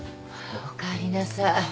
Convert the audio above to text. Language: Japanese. おかえりなさい。